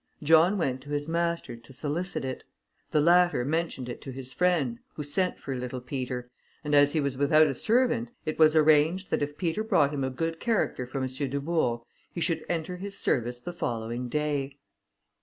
John went to his master to solicit it; the latter mentioned it to his friend, who sent for little Peter, and as he was without a servant, it was arranged, that if Peter brought him a good character from M. Dubourg, he should enter his service the following day.